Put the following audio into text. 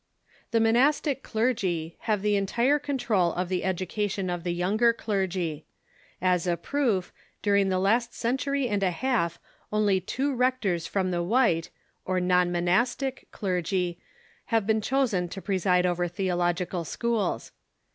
* The monastic clergy have the entire control of the educa tion of the younger clergy. As a proof, during the last cen tury and a half only two rectors from the white, or Theological non . nionastic, clergy have been chosen to preside Education ,'^•' i over theological schools.